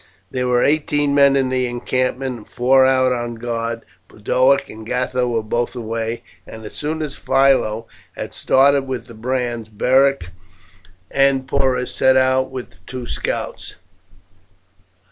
There were eighteen men in the encampment, and four out on guard. Boduoc and Gatho were both away, and as soon as Philo had started with the brands Beric and Porus set out with the two scouts.